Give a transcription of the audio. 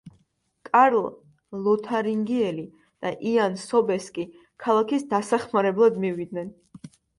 კარლ ლოთარინგიელი და იან სობესკი ქალაქის დასახმარებლად მივიდნენ.